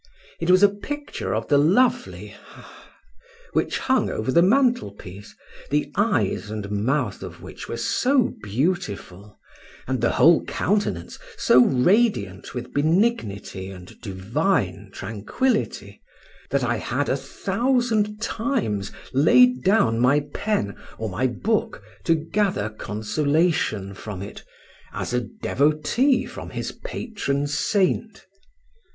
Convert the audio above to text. It was a picture of the lovely ——, which hung over the mantelpiece, the eyes and mouth of which were so beautiful, and the whole countenance so radiant with benignity and divine tranquillity, that I had a thousand times laid down my pen or my book to gather consolation from it, as a devotee from his patron saint.